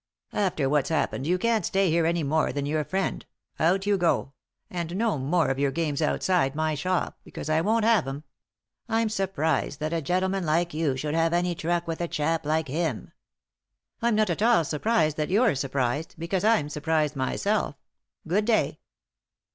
"After what's happened you can't stay here any more than your friend—out you go 1 And no more of your games outside my shop, because I won't have S 273 3i 9 iii^d by Google THE INTERRUPTED KISS 'em. I'm surprised that a gentleman like you should have any truck with a chap like him." "I'm not at all surprised that you're surprised, because I'm surprised myself. Good day."